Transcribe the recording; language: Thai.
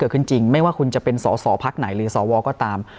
นี่คือสิ่งที่สมาชิกรัฐศพา